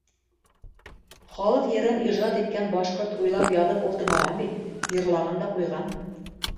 Халыҡ йырын ижад иткән башҡорт уйлап яҙып ултырмаған бит, йырлаған да ҡуйған.